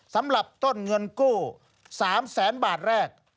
สำหรับต้นเงินกู้๓แสนบาทแรก